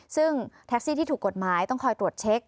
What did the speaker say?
ซึ่งแท็กซี่ที่ถูกกฎหมายต้องคอยตรวจเช็ค